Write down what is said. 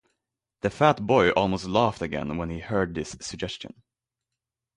The fat boy almost laughed again when he heard this suggestion.